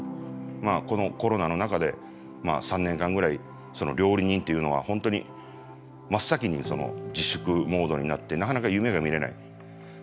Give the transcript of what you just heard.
まあこのコロナの中で３年間ぐらい料理人っていうのは本当に真っ先に自粛モードになってなかなか夢が見れない。